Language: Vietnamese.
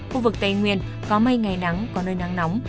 khu vực tây nguyên có mây ngày nắng có nơi nắng nóng